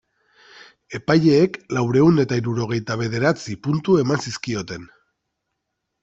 Epaileek laurehun eta hirurogeita bederatzi puntu eman zizkioten.